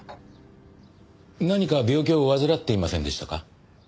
何か病気を患っていませんでしたか？